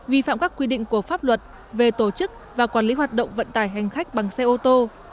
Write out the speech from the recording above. vi phạm các quy định của pháp luật về tổ chức và quản lý hoạt động vận tải hành khách bằng xe ô tô